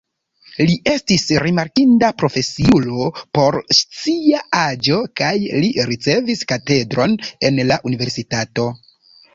Li estis rimarkinda profesiulo por sia aĝo kaj li ricevis katedron en la universitato.